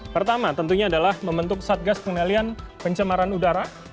pertama tentunya adalah membentuk satgas pengendalian pencemaran udara